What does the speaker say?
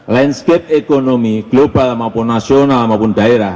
landscape ekonomi global maupun nasional maupun daerah